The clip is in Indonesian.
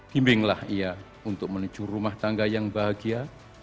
bimbinglah ia untuk menuju rumah tangga yang bahagia